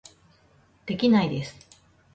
できないです